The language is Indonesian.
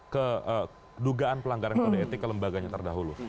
ke dugaan pelanggaran kode etik ke lembaganya terdahulu